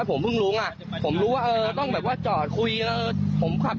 อ๋อต้องอย่างนี้ด้วยหรอครับ